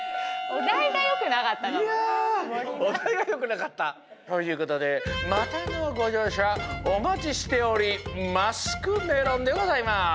おだいがよくなかった？ということでまたのごじょうしゃおまちしておりマスクメロンでございます。